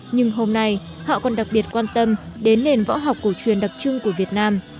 nhưng hôm nay họ còn đặc biệt quan tâm đến nền võ học cổ truyền đặc trưng của việt nam